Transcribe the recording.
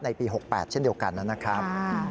ปี๖๘เช่นเดียวกันนะครับ